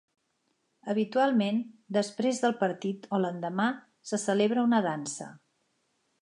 Habitualment, després del partit o l'endemà se celebra una dansa.